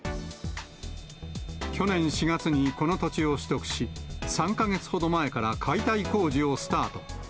去年４月に、この土地を取得し、３か月ほど前から解体工事をスタート。